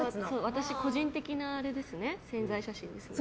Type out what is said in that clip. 私の個人的な宣材写真ですね。